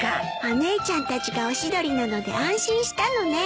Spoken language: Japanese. お姉ちゃんたちがオシドリなので安心したのね。